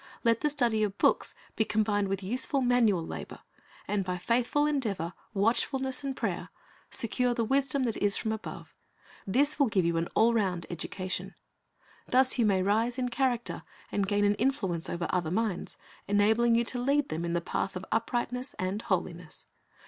Let the study of books be combined with useful manual labor, and by faithful endeavor, watchfulness, and prayer, secure the wisdom that is from above. This will give you an all round education. Thus you may rise in character, and gain an influence over other minds, enabling you to lead them in the path of uprightness and holiness.